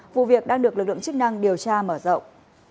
vụ việc đang được lực lượng chức năng điều tra mở rộng